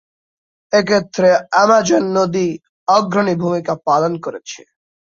এক্ষেত্রে আমাজন নদী অগ্রণী ভূমিকা পালন করছে।